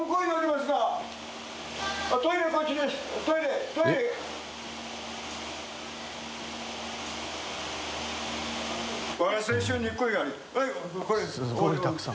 すごいたくさん。